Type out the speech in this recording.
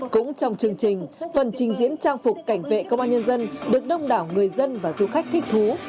cũng trong chương trình phần trình diễn trang phục cảnh vệ công an nhân dân được đông đảo người dân và du khách thích thú